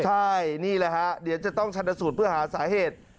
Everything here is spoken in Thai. ใช่นี่แหละฮะเดี๋ยวจะต้องชันสูตรเพื่อหาสาเหตุ